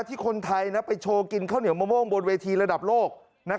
ที่คนไทยไปโชว์กินข้าวเหนียวมะม่วงบนเวทีระดับโลก